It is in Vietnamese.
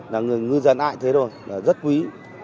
là ngư dân ai thế thôi là rất quý